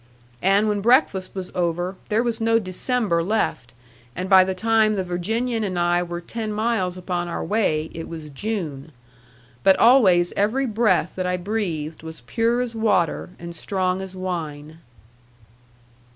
And when breakfast was over there was no December left; and by the time the Virginian and I were ten miles upon our way, it was June. But always every breath that I breathed was pure as water and strong as wine.